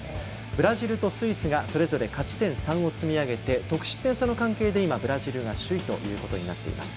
ブラジルとスイスがそれぞれ勝ち点３を積み上げて得失点差でブラジルが首位となっています。